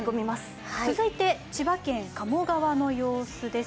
続いて、千葉県鴨川の様子です。